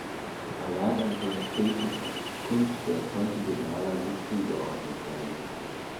Allein ein konkretes Kunstwerk konnte dem Maler nicht zugeordnet werden.